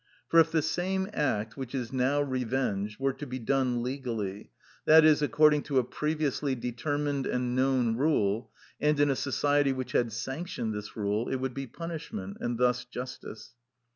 For if the same act, which is now revenge, were to be done legally, that is, according to a previously determined and known rule, and in a society which had sanctioned this rule, it would be punishment, and thus justice.